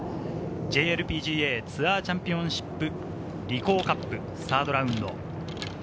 ＪＬＰＧＡツアーチャンピオンシップリコーカップ、サードラウンド。